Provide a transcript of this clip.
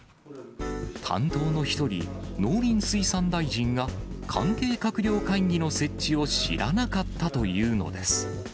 担当の１人、農林水産大臣が、関係閣僚会議の設置を知らなかったというのです。